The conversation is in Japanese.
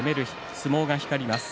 相撲が光ります。